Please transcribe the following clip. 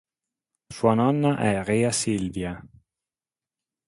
Sua nonna è Rea Silvia.